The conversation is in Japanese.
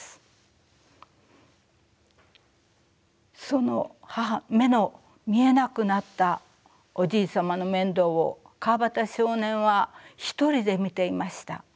その目の見えなくなったおじい様の面倒を川端少年は一人で見ていました。